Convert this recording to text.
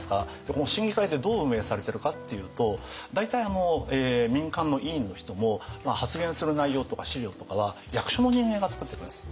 この審議会ってどう運営されてるかっていうと大体民間の委員の人も発言する内容とか資料とかは役所の人間が作ってくれるんです。